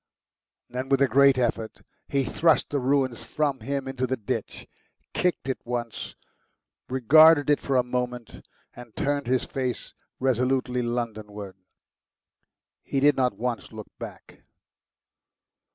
Then with a great effort he thrust the ruins from him into the ditch, kicked at it once, regarded it for a moment, and turned his face resolutely Londonward. He did not once look back.